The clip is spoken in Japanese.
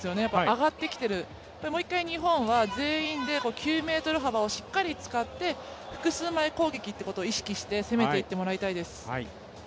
上がってきている、日本はもう一回全員で、９ｍ幅をしっかり使って複数枚攻撃を意識して、攻めていってもらいたいです。